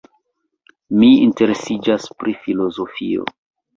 Mi interesiĝas pri filozofio.